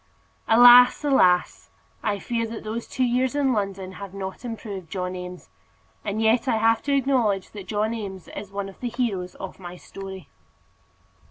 Alas, alas! I fear that those two years in London have not improved John Eames; and yet I have to acknowledge that John Eames is one of the heroes of my story.